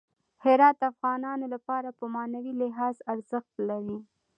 هرات د افغانانو لپاره په معنوي لحاظ ارزښت لري.